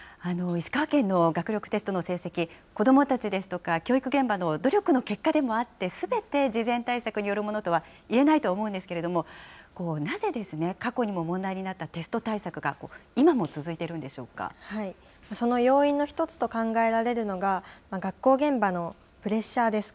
石川県の学力テストの成績、子どもたちですとか教育現場の努力の結果でもあって、すべて事前対策によるものとはいえないと思うんですけれども、なぜ、過去にも問題になったテスト対策が、今その要因の１つと考えられるのが、学校現場のプレッシャーです。